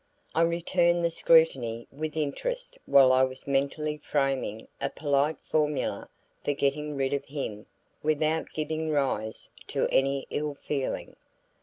I returned the scrutiny with interest while I was mentally framing a polite formula for getting rid of him without giving rise to any ill feeling.